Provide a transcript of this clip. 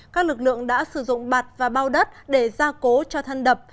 các lực lượng đã sử dụng bạt và bao đất để ra cố cho thân đập